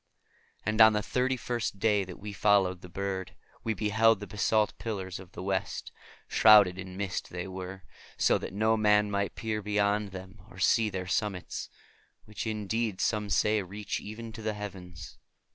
And on the thirty first day that we followed the bird, we beheld the basalt pillars of the West. Shrouded in mist they were, so that no man might peer beyond them or see their summitsŌĆöwhich indeed some say reach even to the heavens.